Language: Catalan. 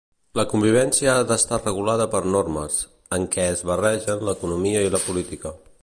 La convivència ha d'estar regulada per normes, en què es barregen l'economia i la política.